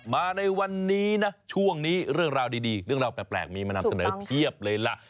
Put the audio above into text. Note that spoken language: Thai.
มาในวันนี้นะช่วงนี้เรื่องราวดีเรื่องราวแปลกมีมานำเสนอเพียบเลยล่ะ